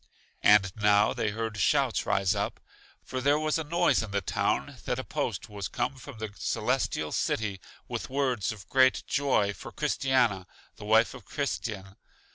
And now they heard shouts rise up, for there was a noise in the town that a post was come from The Celestial City with words of great joy for Christiana, the wife of Christian.